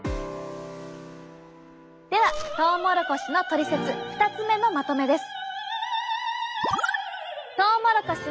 ではトウモロコシのトリセツ２つ目のまとめです。